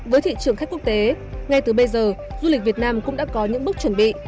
với thị trường khách quốc tế ngay từ bây giờ du lịch việt nam cũng đã có những bước chuẩn bị